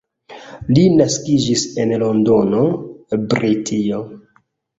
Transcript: Li naskiĝis en Londono, Britio.